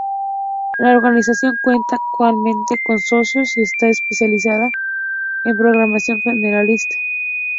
La organización cuenta actualmente con socios y está especializada en programación generalista.